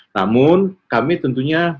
namun kami tentunya